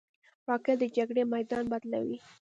راکټ د جګړې میدان بدلوي